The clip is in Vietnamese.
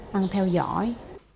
đang theo dõi